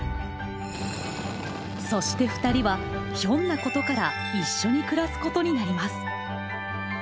そしてふたりはひょんなことから一緒に暮らすことになります！